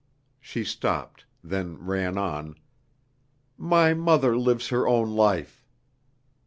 She stopped, then ran on: "My mother lives her own life."